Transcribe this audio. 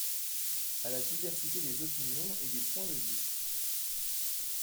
À la diversité des opinions et des points de vue.